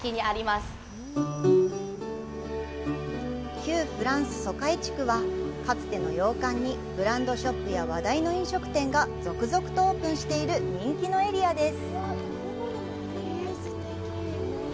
旧フランス租界地区は、かつての洋館にブランドショップや話題の飲食店が続々とオープンしている人気のエリアです。